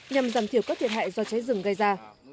nhằm giảm thiểu các thiệt hại do cháy rừng gây ra